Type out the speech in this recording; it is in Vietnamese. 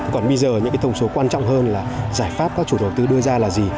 còn bây giờ những thông số quan trọng hơn là giải pháp các chủ đầu tư đưa ra là gì